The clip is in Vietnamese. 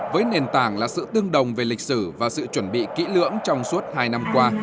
với nền tảng là sự tương đồng về lịch sử và sự chuẩn bị kỹ lưỡng trong suốt hai năm qua